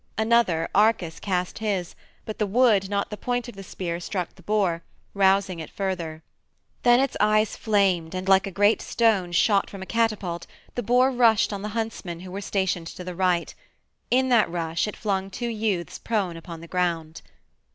Another, Arcas, cast his, but the wood, not the point of the spear, struck the boar, rousing it further. Then its eyes flamed, and like a great stone shot from a catapult the boar rushed on the huntsmen who were stationed to the right. In that rush it flung two youths prone upon the ground.